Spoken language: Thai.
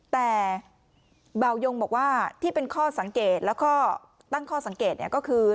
แต่เบายงบอกว่าที่เป็นข้อสังเกตแล้วก็ตั้งข้อสังเกตเนี่ยก็คือ